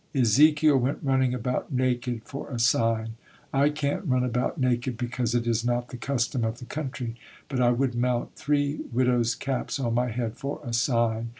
Ezekiel went running about naked, "for a sign." I can't run about naked because it is not the custom of the country. But I would mount three widows' caps on my head, "for a sign."